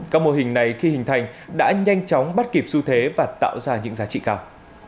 các mô hình này khi hình thành đã nhanh chóng bắt kịp xu thế và tạo ra những giá trị cao